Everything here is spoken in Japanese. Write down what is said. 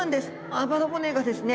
あばら骨がですね